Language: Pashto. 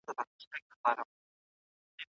امام طحاوي رحمه الله هم دغه قول غوره کړی دی.